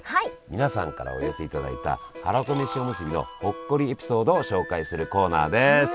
皆さんからお寄せいただいたはらこめしおむすびのほっこりエピソードを紹介するコーナーです。